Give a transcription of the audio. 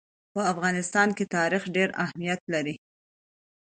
په افغانستان کې تاریخ ډېر اهمیت لري.